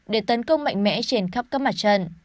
để tấn công mạnh mẽ trên khắp các mặt trận